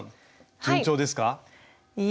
順調ですか？